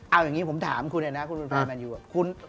เอาอย่างนี้ผมถามคุณนะครูนูนไฟร์แมนยู